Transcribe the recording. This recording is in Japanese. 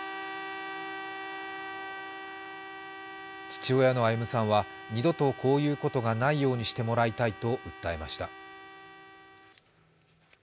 父親の歩さんは二度とこういうことがないようにしてもらいたいと訴えました。